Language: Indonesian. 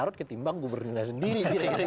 karena jarod ketimbang gubernurnya sendiri